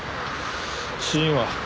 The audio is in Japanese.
死因は？